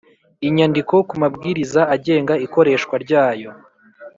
Inyandiko ku mabwiriza agenga ikoreshwa ryayo